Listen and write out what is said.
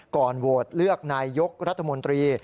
ก่อนโหวตเลือกนายยกรัฐมนตรี